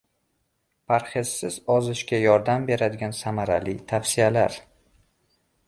Parhezsiz ozishga yordam beradigan samarali tavsiyalar